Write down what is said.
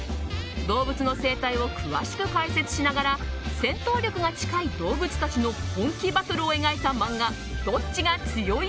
動物の生態を詳しく解説しながら戦闘力が近い動物たちの本気バトルを描いた漫画「どっちが強い！？」